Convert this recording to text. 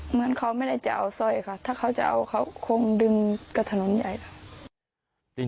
เหมือนเขาไม่ได้จะเอาซอยค่ะถ้าเขาจะเอาคงดึงกระทำนวนใหญ่